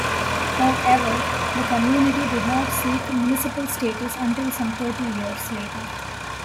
However, the community did not seek municipal status until some thirty years later.